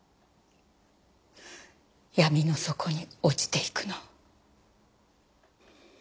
闇の底に落ちていくの。